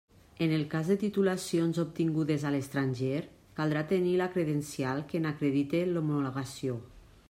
En el cas de titulacions obtingudes a l'estranger, caldrà tenir la credencial que n'acredite l'homologació.